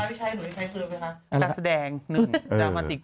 การวิชัยหนูได้ใช้เพื่อนไหมคะ